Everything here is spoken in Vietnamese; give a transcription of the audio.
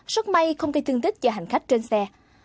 rất may không gây thương tích cho hành khách trên xe